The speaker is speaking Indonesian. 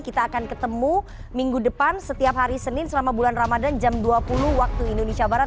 kita akan ketemu minggu depan setiap hari senin selama bulan ramadan jam dua puluh waktu indonesia barat